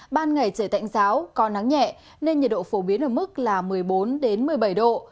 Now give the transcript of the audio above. ban ngày trời tạnh giáo có nắng nhẹ nên nhiệt độ phổ biến ở mức là một mươi bốn một mươi bảy độ